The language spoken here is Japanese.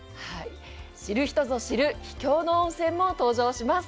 知る人ぞ知る秘境の温泉も登場します。